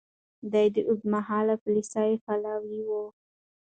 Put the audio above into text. ده د اوږدمهاله پاليسۍ پلوی و.